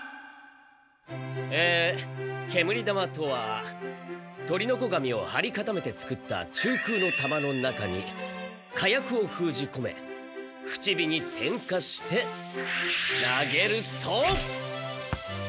え煙玉とは鳥の子紙をはりかためて作った中空の玉の中に火薬をふうじこめ口火に点火して投げると。